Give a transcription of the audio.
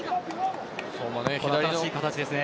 新しい形ですね。